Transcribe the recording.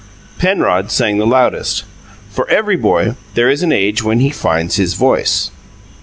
Penrod sang the loudest. For every boy, there is an age when he "finds his voice."